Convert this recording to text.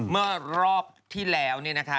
เมื่อรอบที่แล้วเนี่ยนะคะ